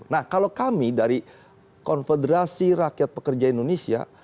nah kalau kami dari konfederasi rakyat pekerja indonesia